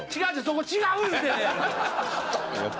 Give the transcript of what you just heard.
そこ違う！」いうて。